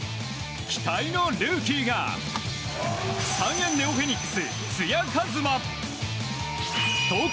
期待のルーキーが三遠ネオフェニックス津屋一球。